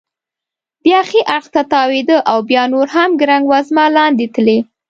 بیا ښي اړخ ته تاوېده او بیا نور هم ګړنګ وزمه لاندې تلی.